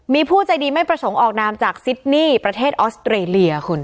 มีผู้ใจดีไม่ประสงค์ออกนามจากซิดนี่ประเทศออสเตรเลียคุณ